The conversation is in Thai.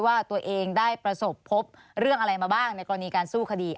ว่าตัวเองได้ประสบพบเรื่องอะไรมาบ้างในกรณีการสู้คดี